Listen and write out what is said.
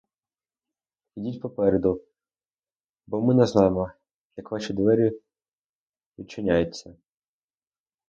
Ідіть попереду, бо ми не знаємо, як ваші двері відчиняються.